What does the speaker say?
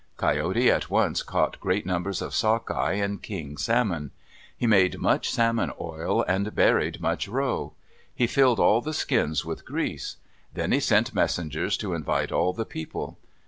Coyote at once caught great numbers of sockeye and king salmon. He made much salmon oil, and buried much roe. He filled all the skins with grease. Then he sent messengers to invite all the people.